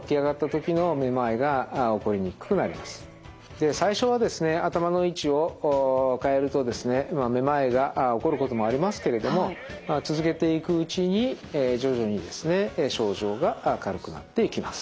で最初はですね頭の位置を変えるとですねめまいが起こることもありますけれども続けていくうちに徐々にですね症状が軽くなっていきます。